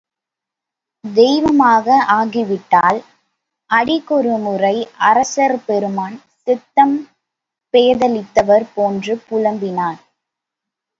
தெய்வமாக ஆகிவிட்டாள். அடிக்கொரு முறை அரசர் பெருமான் சித்தம் பேதலித்தவர் போன்று புலம்பினார்.